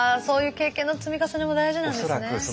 そういう経験の積み重ねも大事なんですね。